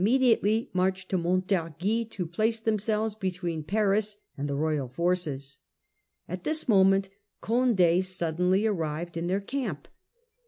diately marched to Montargis to place them selves between Paris and the royal forces. At this moment Cond£ suddenly arrived in their camp.